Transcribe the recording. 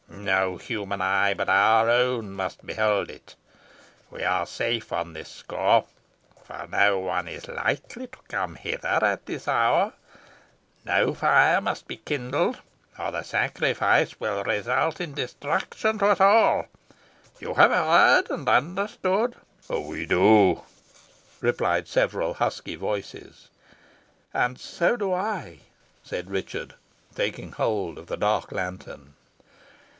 No human eye but our own must behold it. We are safe on this score, for no one is likely to come hither at this hour. No fire must be kindled, or the sacrifice will result in destruction to us all. Ye have heard, and understand?" "We do," replied several husky voices. "And so do I," said Richard, taking hold of the dark lantern.